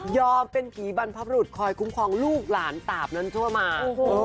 เป็นผีบรรพบรุษคอยคุ้มครองลูกหลานตาบนั้นทั่วมา